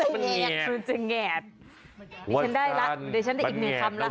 มันจะแงะมันจะแงะดิฉันได้ละดิฉันได้อีกหนึ่งคำล่ะ